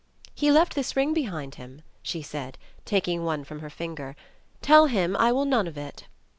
"He left this ring behind him," she said, taking one from her finger. "Tell him I will none of it."